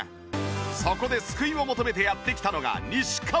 そこで救いを求めてやって来たのが西川。